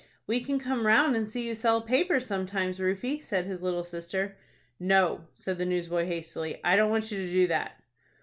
"We can come round and see you sell papers sometimes, Rufie," said his little sister. "No," said the newsboy, hastily, "I don't want you to do that."